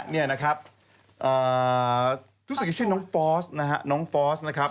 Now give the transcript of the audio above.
นี่นะครับทุกสิทธิ์ชื่อน้องฟอร์สนะฮะน้องฟอร์สนะครับ